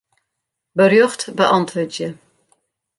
Berjocht beäntwurdzje.